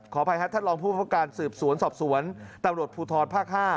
ขออภัยครับท่านรองผู้ประการสืบสวนสอบสวนตำรวจภูทรภาค๕